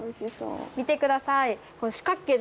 見てください。